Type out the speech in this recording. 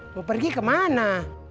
gue pergi kemana